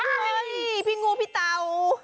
เฮ้ยพี่งูพี่เต่า